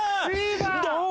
どう？